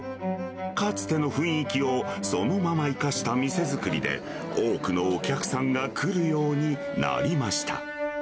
かつての雰囲気をそのまま生かした店づくりで、多くのお客さんが来るようになりました。